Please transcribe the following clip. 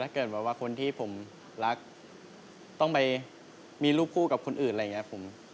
เกิดแบบว่าคนที่ผมรักต้องไปมีรูปคู่กับคนอื่นอะไรอย่างนี้